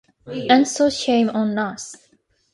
And so shame on us.